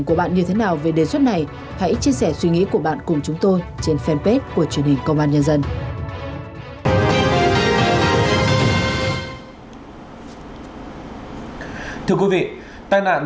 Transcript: quá nhiều các tình huống tai nạn